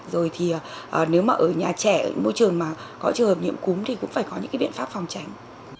rồi thì nếu mà ở nhà trẻ môi trường mà có trường hợp nhiễm cúm thì cũng phải có những cái biện pháp phòng tránh